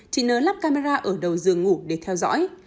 chị nớ lắp camera ở đầu giường ngủ để theo dõi